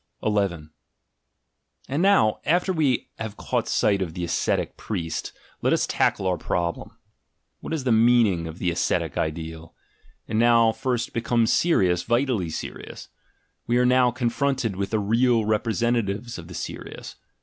ii. And now, after we have caught sight of the ascetic priest, let us tackle our problem. What is the meaning of the ascetic ideal? It now first becomes serious — vitally serious. We are now confronted with the real representatives oj the serious.